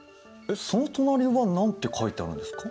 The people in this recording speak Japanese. その隣は何て書いてあるんですか？